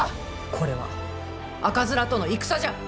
これは赤面との戦じゃ。